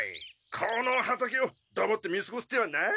この畑をだまって見すごす手はない。